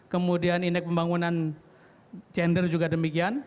kemudian indeks pembangunan gender juga demikian